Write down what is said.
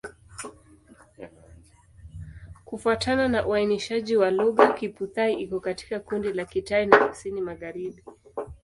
Kufuatana na uainishaji wa lugha, Kiphu-Thai iko katika kundi la Kitai ya Kusini-Magharibi.